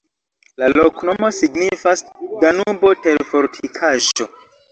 La loknomo signifas: Danubo-terfortikaĵo.